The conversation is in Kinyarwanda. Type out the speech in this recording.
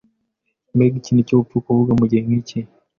Mbega ikintu cyubupfu kuvuga mugihe nkiki!